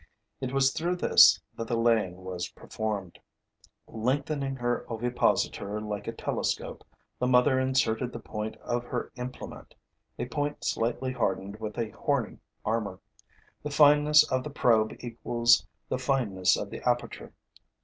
It was through this that the laying was performed. Lengthening her ovipositor like a telescope, the mother inserted the point of her implement, a point slightly hardened with a horny armor. The fineness of the probe equals the fineness of the aperture.